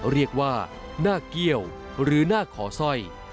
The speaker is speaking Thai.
เรียกว่าหน้าเกี้ยวหรือหน้าขอสร้อย